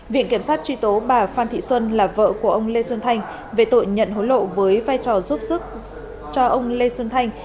viện kiểm sát truy tố bà phan thị xuân là vợ của ông lê xuân thanh về tội nhận hối lộ với vai trò giúp sức cho ông lê xuân thanh